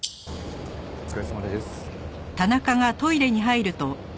お疲れさまです。